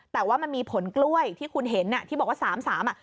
แต่ว่ามันมีผลกล้วยที่คุณเห็นอ่ะที่บอกว่าสามสามอ่ะ